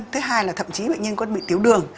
thứ hai là thậm chí bệnh nhân có bị tiểu đường